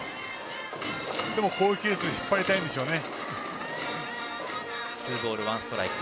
でもこういうケース引っ張りたいんでしょうね。